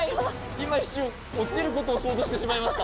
今、一瞬、落ちることを想像してしまいました。